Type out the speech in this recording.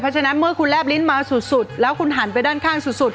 เพราะฉะนั้นเมื่อคุณแลบลิ้นมาสุดแล้วคุณหันไปด้านข้างสุด